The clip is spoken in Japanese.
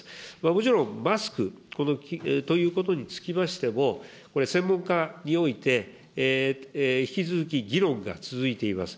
もちろん、マスクということにつきましても、これ専門家において、引き続き議論が続いています。